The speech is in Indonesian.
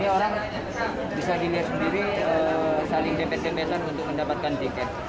orang bisa dilihat sendiri saling dempet dempetan untuk mendapatkan tiket